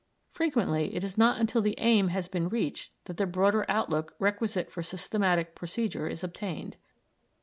Frequently it is not until the aim has been reached that the broader outlook requisite for systematic procedure is obtained.